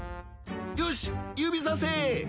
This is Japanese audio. よし指させ。